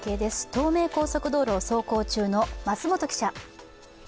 東名高速道路を走行中の桝本記者。